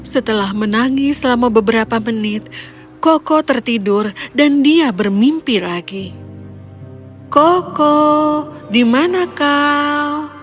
setelah menangis selama beberapa menit koko tertidur dan dia bermimpi lagi koko dimana kau